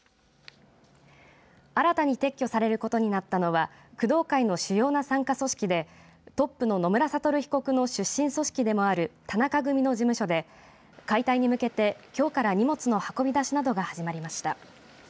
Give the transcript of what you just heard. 新たに撤去されることになったのは工藤会の主要な傘下組織でトップの野村悟被告の出身組織でもある田中組の事務所で、解体に向けてきょうから荷物の運び出しなどが始まりました。